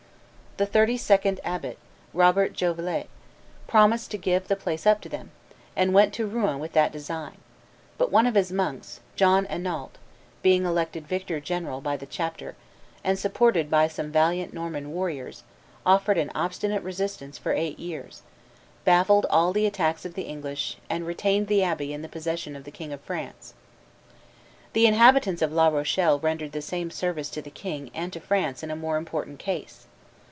The thirty second abbot, Robert Jolivet, promised to give the place up to them, and went to Rouen with that design; but one of his monks, John Enault, being elected vicar general by the chapter, and supported by some valiant Norman warriors, offered an obstinate resistance for eight years, baffled all the attacks of the English, and retained the abbey in the possession of the King of France. The inhabitants of La Rochelle rendered the same service to the king and to France in a more important case.